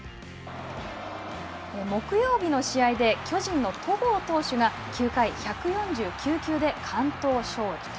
木曜日の試合で巨人の戸郷投手が９回１４９球で完投勝利と。